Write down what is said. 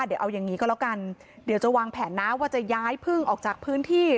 เดี๋ยวเอาอย่างนี้ก็แล้วกันเดี๋ยวจะวางแผนนะว่าจะย้ายพึ่งออกจากพื้นที่